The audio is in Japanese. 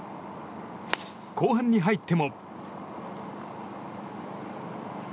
後半に入っても。